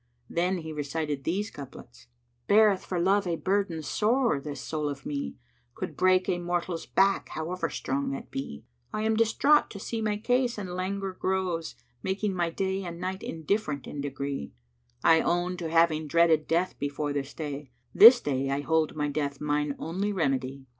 Then he recited these couplets,[FN#102] "Beareth for love a burden sore this soul of me, * Could break a mortal's back however strong that be; I am distraught to see my case and languor grows * Making my day and night indifferent in degree: I own to having dreaded Death before this day: * This day I hold my death mine only remedy."